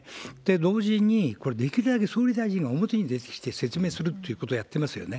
同時に、これ、できるだけ総理大臣が表に出てきて説明するということをやってますよね。